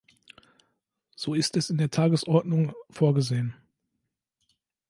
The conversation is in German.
So ist es in der Tagesordnung vorgesehen.